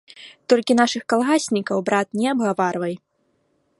Толькі нашых калгаснікаў, брат, не абгаварвай.